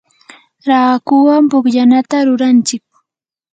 raakuwan pukllanata ruranchik.